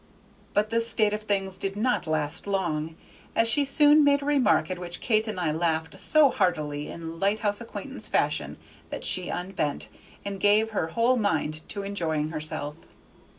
But this state of things did not last long, as she soon made a remark at which Kate and I laughed so heartily in lighthouse acquaintance fashion, that she unbent, and gave her whole mind to enjoying herself.